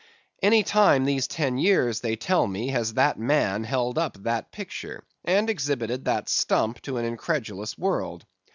Any time these ten years, they tell me, has that man held up that picture, and exhibited that stump to an incredulous world.